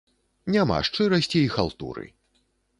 Няма шчырасці й халтуры.